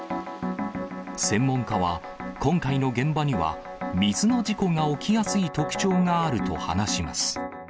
専門家は、今回の現場には、水の事故が起きやすい特徴があると話します。